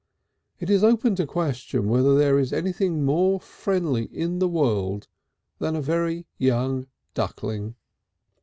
It is open to question whether there is anything more friendly in the world than a very young duckling.